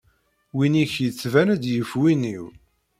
Win-ik yettban-d yif win-iw.